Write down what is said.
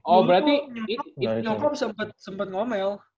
oh berarti nyokap sempet ngomel